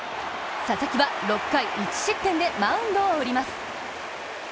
佐々木は６回１失点でマウンドを降ります。